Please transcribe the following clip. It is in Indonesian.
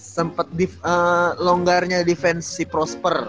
sempet longgarnya defense si prosper